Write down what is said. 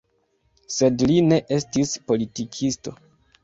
Sed li ne estis politikisto.